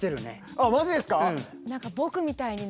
あっマジですか？